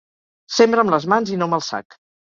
Sembra amb les mans i no amb el sac.